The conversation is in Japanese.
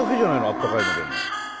あったかいのでも。